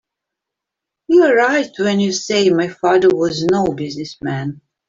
You're right when you say my father was no business man.